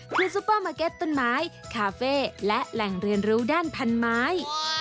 คือซุปเปอร์มาร์เก็ตต้นไม้คาเฟ่และแหล่งเรียนรู้ด้านพันไม้